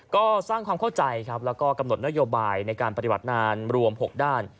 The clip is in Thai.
ก็สร้างความเข้าใจครับแล้วก็กำหนดนโยบายในการปฏิบัติงานรวม๖ด้าน